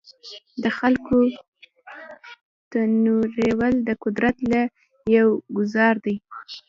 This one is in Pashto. د خلکو تنویرول د قدرت ته یو ګوزار دی.